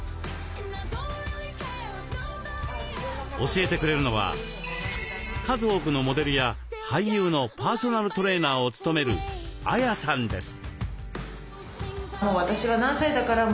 教えてくれるのは数多くのモデルや俳優のパーソナルトレーナーを務めるＡＹＡさんです。